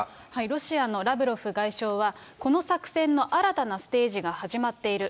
ロシアのラブロフ外相は、この作戦の新たなステージが始まっている。